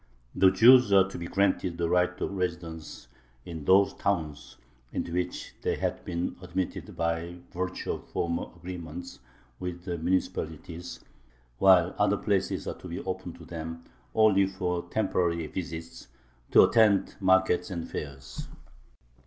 The Jews are to be granted the right of residence in those towns into which they had been admitted by virtue of former agreements with the municipalities, while other places are to be open to them only for temporary visits, to attend markets and fairs.